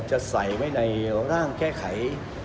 จะใส่ไว้ในร่างแก้ไข